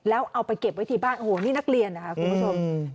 แล้วเอาไปเก็บไว้ที่บ้านโอ้โหนี่นักเรียนนะคะคุณผู้ชม